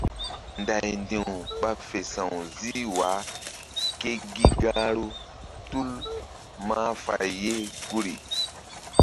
Nday ndi̧w ɓa fe sa̧w zih wa ke gi gahru tul mahfay ye guri.